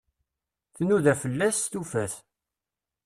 Tnuda fell-as, tufa-t.